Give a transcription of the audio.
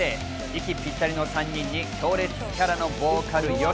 息ぴったりの３人に強烈キャラのボーカル・ＹＯＳＨＩ。